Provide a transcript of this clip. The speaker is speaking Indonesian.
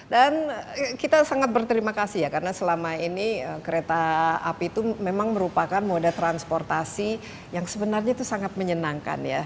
dan kita sangat berterima kasih ya karena selama ini kereta api itu memang merupakan moda transportasi yang sebenarnya itu sangat menyenangkan ya